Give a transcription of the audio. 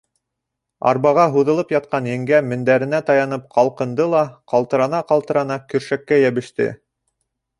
Арбаға һуҙылып ятҡан еңгә мендәренә таянып ҡалҡынды ла ҡал-тырана-ҡалтырана көршәккә йәбеште.